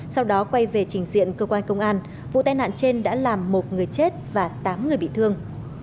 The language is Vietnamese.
sau đó quay về trình diện cơ quan công an vụ tai nạn trên đã làm một người chết và tám người bị thương